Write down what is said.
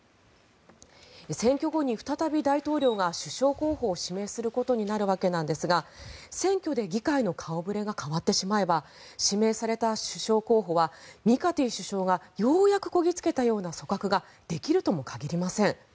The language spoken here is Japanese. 選挙後に再び大統領が首相候補を指名することになるわけですが選挙で議会の顔触れが変わってしまえば指名された首相候補はミカティ首相がようやくこぎ着けたような組閣ができるとも限りません。